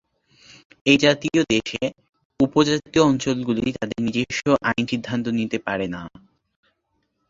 এই জাতীয় দেশে, উপ-জাতীয় অঞ্চলগুলি তাদের নিজস্ব আইন সিদ্ধান্ত নিতে পারে না।